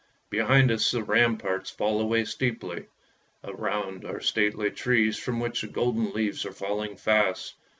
Behind us the ramparts fall away steeply; around are stately trees from which the golden leaves are falling fast.